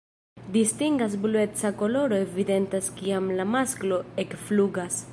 Distinga blueca koloro evidentas kiam la masklo ekflugas.